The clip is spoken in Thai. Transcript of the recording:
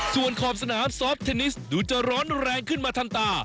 ส่วนขอบสนามซอฟเทนนิสดูจะร้อนแรงขึ้นมาทันตา